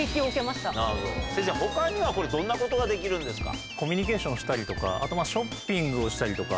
なるほど先生他にはこれどんなことができるんですか？